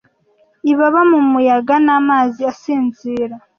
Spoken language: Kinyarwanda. ibaba mu muyaga n'amazi asinzira